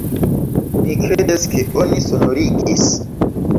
Mi kredas ke oni sonorigis.